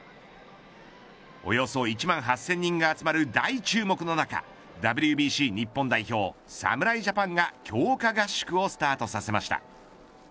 およそ１万８０００人が集まる大注目の中ＷＢＣ日本代表、侍ジャパンが強化合宿をスタートさせました。